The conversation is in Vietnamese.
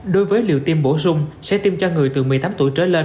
đối với liều tiêm bổ sung sẽ tiêm cho người từ một mươi tám tuổi trở lên